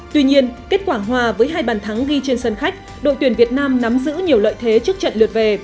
tuy nhiên kết quả hòa với hai bàn thắng ghi trên sân khách đội tuyển việt nam nắm giữ nhiều lợi thế trước trận lượt về